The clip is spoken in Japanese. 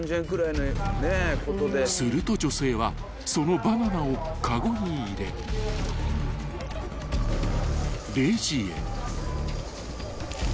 ［すると女性はそのバナナをかごに入れレジへ］